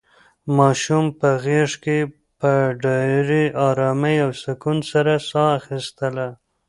ماشوم په غېږ کې په ډېرې ارامۍ او سکون سره ساه اخیستله.